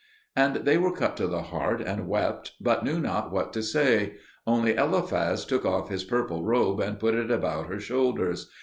And they were cut to the heart and wept, but knew not what to say; only Eliphaz took off his purple robe and put it about her shoulders.